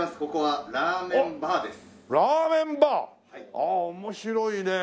ああ面白いねえ。